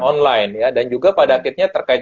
online ya dan juga pada akhirnya terkait